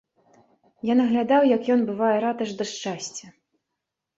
Я наглядаў, як ён бывае рад аж да шчасця.